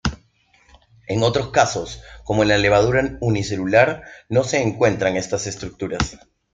En otros casos, como en la levadura unicelular, no se encuentran estas estructuras.